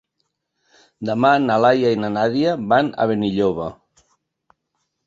Demà na Laia i na Nàdia van a Benilloba.